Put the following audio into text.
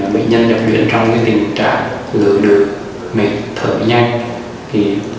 bệnh nhân đập biển trong tình trạng lửa đường mệt thở nhanh